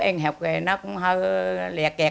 em học thì nó cũng hơi lẹ kẹt